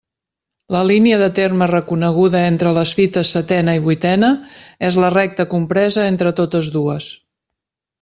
La línia de terme reconeguda entre les fites setena i vuitena és la recta compresa entre totes dues.